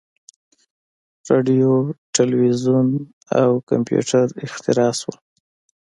• راډیو، تلویزیون او کمپیوټر اختراع شول.